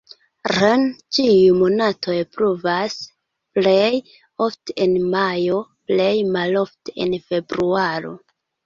Rn ĉiuj monatoj pluvas, plej ofte en majo, plej malofte en februaro.